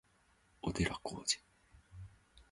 小寺浩二